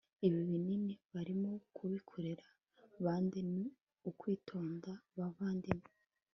ibi binini barimo kubikorera bande, ni ukwitonda bavandimwe